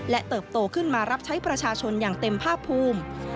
เติบโตขึ้นมารับใช้ประชาชนอย่างเต็มภาคภูมิ